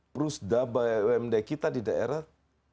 plus umd kita di daerah